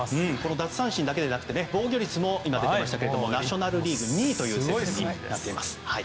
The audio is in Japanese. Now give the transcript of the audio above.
奪三振だけでなくて防御率も今、出ていましたがナショナルリーグ２位という成績になっています。